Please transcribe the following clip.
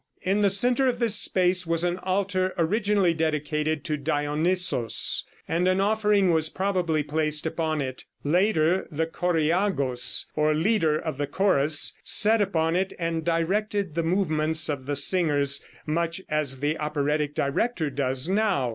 In the center of this space was an altar, originally dedicated to Dionysos, and an offering was probably placed upon it. Later the Choreagos, or leader of the chorus, sat upon it and directed the movements of the singers, much as the operatic director does now.